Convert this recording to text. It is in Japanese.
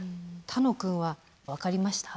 楽くんは分かりました？